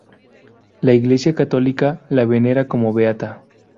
La Iglesia católica la venera como beata.